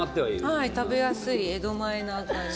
はい食べやすい江戸前な感じ。